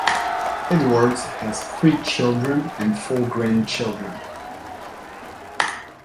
Edwards has three children and four grandchildren.